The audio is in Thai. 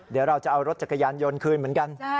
เดี๋ยวเราจะเอารถจักรยานยนต์คืนเหมือนกัน